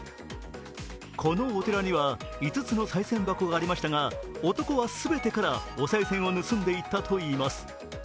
このお寺には、５つのさい銭箱がありましたが男は全てからおさい銭を盗んでいったといいます。